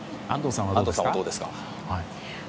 安藤さんはどうですか？